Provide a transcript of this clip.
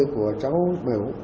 của cháu biểu